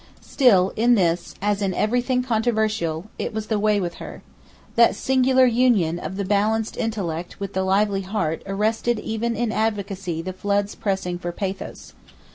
Still, in this, as in everything controversial, it was the μηδὲν ἄyαν with her. That singular union of the balanced intellect with the lively heart arrested even in advocacy the floods pressing for pathos.